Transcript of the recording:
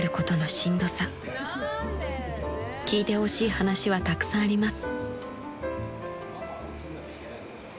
［聞いてほしい話はたくさんあります］